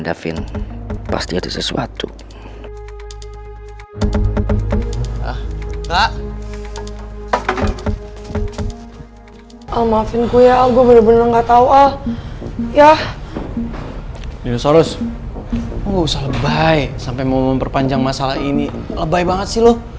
jadi saya deh yang gak enak sama kamu